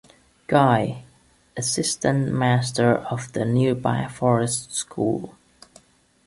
Guy, Assistant Master at the nearby Forest School.